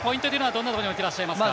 どんなところに置いてらっしゃいますか。